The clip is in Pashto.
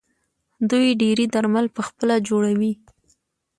دوی ډیری درمل پخپله جوړوي.